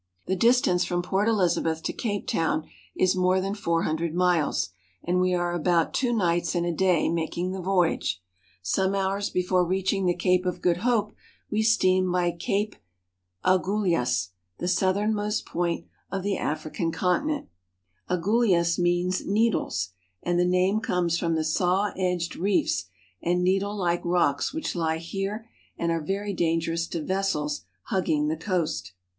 The distance from Port Elizabeth to Cape Town is more than four hundred miles, and we are about two nights and a day making the voyage. Some hours before reaching the Cape of Good Hope we steam by Cape Agulhas (a gool'yas), the southernmost point of the African conti ^^^^^P CAFE COLONY 317 ^H^ nent. Agulhas means "needles," and the name comes ^H from the saw edged reefs and needlelike rocks which lie ^H here and are very dangerous to vessels hugging the coast.